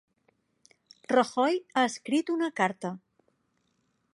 Rajoy ha escrit una carta